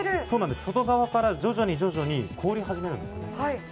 そうなんです、外側から徐々に徐々に凍り始めるんです。